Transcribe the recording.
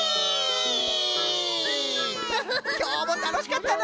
きょうもたのしかったの！